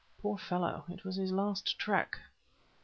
Poor fellow! It was his last trek.